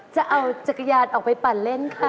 จะเอาจักรยานออกไปปั่นเล่นค่ะ